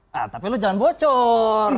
nah tapi lu jangan bocor